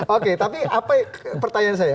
oke tapi pertanyaan saya